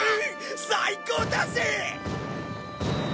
最高だぜ！